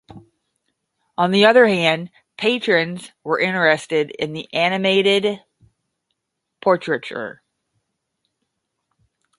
On the other hand, patrons were interested in the animated portraiture.